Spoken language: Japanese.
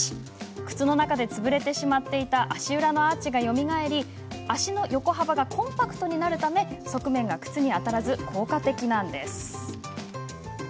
靴の中で潰れてしまっていた足裏のアーチがよみがえり足の横幅がコンパクトになるため側面が靴に当たらず効果的なんです。